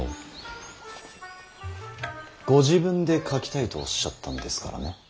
ご自分で書きたいとおっしゃったんですからね。